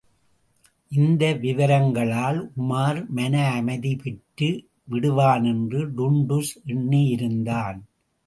இந்த விவரங்களால் உமார் மனஅமைதி பெற்று விடுவானென்று டுன்டுஷ் எண்ணியிருந்தான்.